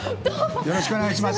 よろしくお願いします